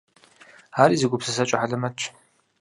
Ари зы гупсысэкӏэ хьэлэмэтщ.